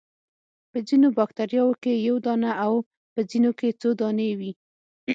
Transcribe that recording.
په ځینو باکتریاوو کې یو دانه او په ځینو کې څو دانې وي.